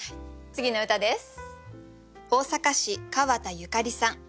次の歌です。